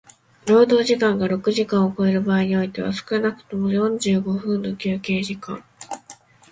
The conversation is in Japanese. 労働時間が六時間を超える場合においては少くとも四十五分の休憩時間